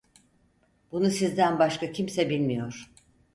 Bunu sizden başka kimse bilmiyor…